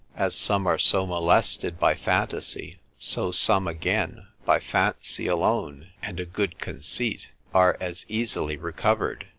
As some are so molested by phantasy; so some again, by fancy alone, and a good conceit, are as easily recovered.